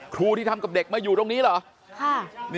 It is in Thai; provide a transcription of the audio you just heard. ครูที่ทำกับเด็กมาอยู่ตรงนี้เหรอ